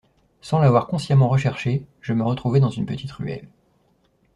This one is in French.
Sans l’avoir consciemment recherché, je me retrouvai dans une petite ruelle.